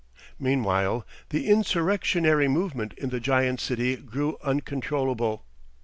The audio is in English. Meanwhile the insurrectionary movement in the giant city grew uncontrollable.